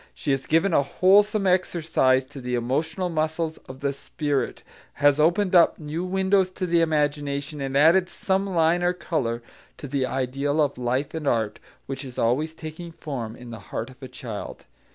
She has given a wholesome exercise to the emotional muscles of the spirit, has opened up new windows to the imagination, and added some line or colour to the ideal of life and art which is always taking form in the heart of a child.